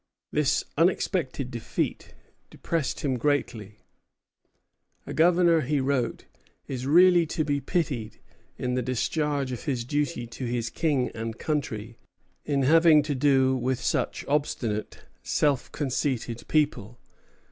This unexpected defeat depressed him greatly. "A governor," he wrote, "is really to be pitied in the discharge of his duty to his king and country, in having to do with such obstinate, self conceited people....